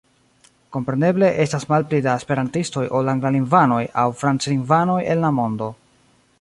Kompreneble estas malpli da esperantistoj ol anglalingvanoj aŭ franclingvanoj en la mondo.